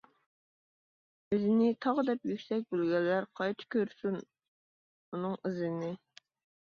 ئۆزىنى تاغ دەپ يۈكسەك بىلگەنلەر، قايتا كۆرسۇن ئۇنىڭ ئىزىنى.